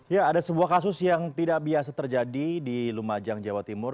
ya ada sebuah kasus yang tidak biasa terjadi di lumajang jawa timur